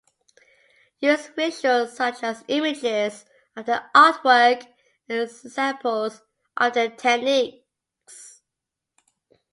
Use visuals such as images of their artwork and examples of their techniques.